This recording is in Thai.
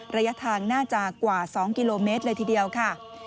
ระยะทางน่าจะกว่า๒กิโลเมตรเลยทีเดียวค่ะ